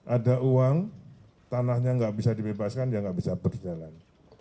ada uang tanahnya tidak bisa dibebaskan dia tidak bisa berjalan